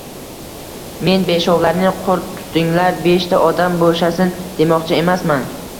Men, beshovlaring qurt tutinglar, beshta odam boʻshasin, demoqchi emasman